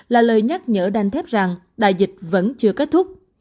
là lời nhắc nhở đanh thép rằng đại dịch vẫn chưa kết thúc